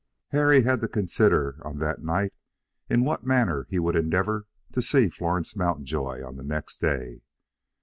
Harry had to consider on that night in what manner he would endeavor to see Florence Mountjoy on the next day.